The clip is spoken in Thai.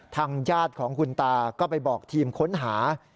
ทางญาติของคุณตาก็ไปบอกทีมค้นหา